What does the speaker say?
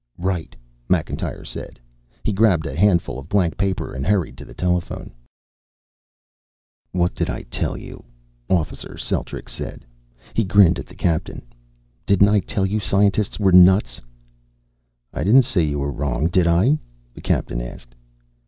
"Right," Macintyre said. He grabbed a handful of blank paper and hurried to the telephone. "What did I tell you?" Officer Celtrics said. He grinned at the captain. "Didn't I tell you scientists were nuts?" "I didn't say you were wrong, did I?" the captain asked.